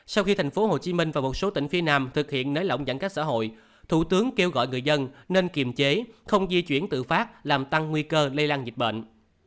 sau khi tp hcm và một số tỉnh phía nam thực hiện nới lỏng giãn cách xã hội thủ tướng kêu gọi người dân nên kiềm chế không di chuyển tự phát làm tăng nguy cơ lây lan dịch bệnh